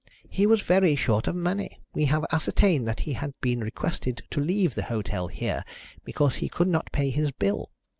"He was very short of money. We have ascertained that he had been requested to leave the hotel here because he could not pay his bill.